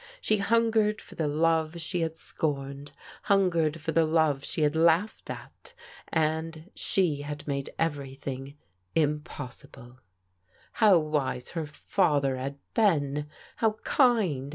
She hungered for the love she had scorned, hungered for the love she had laughed at ; and she had made everything impossible. THE HORROR OF THE AWAKENING 245 How wise her father had been! How kind!